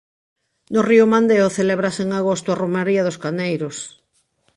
No río Mandeo celébrase en agosto a romaría dos Caneiros.